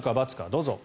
どうぞ。